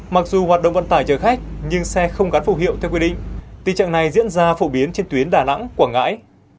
mặc dù hoạt động vận tải chở khách nhưng xe không gắn phù hiệu theo quy định tình trạng này diễn ra phổ biến trên tuyến đà nẵng quảng ngãi